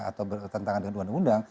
atau bertentangan dengan undang undang